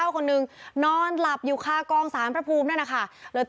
เป็นยังไงล่ะเป็นไงล่ะเนี่ย